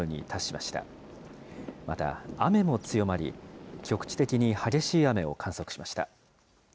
また、雨も強まり、局地的に激しい雨を観測しました。